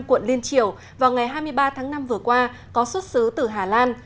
quận liên triều vào ngày hai mươi ba tháng năm vừa qua có xuất xứ từ hà lan